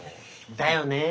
だよね。